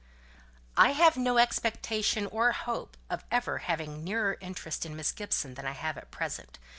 "I have no expectation or hope of ever having a nearer interest in Miss Gibson than I have at present.